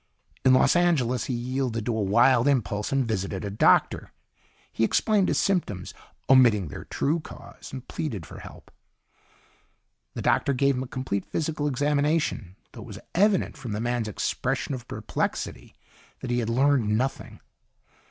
In Los Angeles he yielded to a wild impulse and visited a doctor. He explained his symptoms, omitting their true cause, and pleaded for help. The doctor gave him a complete physical examination, though it was evident from the man's expression of perplexity that he had learned nothing.